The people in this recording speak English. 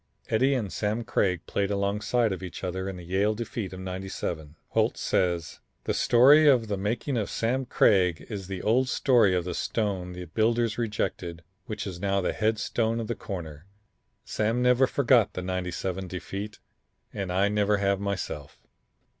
Eddie and Sam Craig played alongside of each other in the Yale defeat of '97. Holt says: "The story of the making of Sam Craig is the old story of the stone the builders rejected, which is now the head stone of the corner. Sam never forgot the '97 defeat and I never have myself.